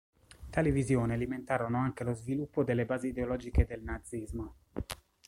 Tali visioni alimentarono anche lo sviluppo delle basi ideologiche del nazismo.